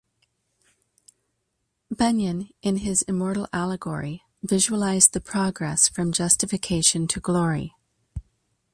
Bunyan, in his immortal allegory, visualized the progress from justification to glory.